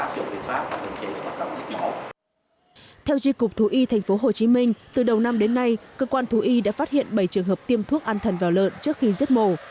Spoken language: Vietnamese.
cơ quan chức năng đã phát hiện bảy trường hợp tiêm thuốc an thần vào lợn trước khi giết mổ